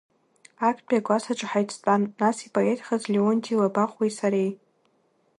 Актәи акласс аҿы ҳаицтәан, нас ипоетхаз Леонтии Лабахәуеи сареи.